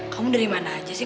kamu dari mana aja sih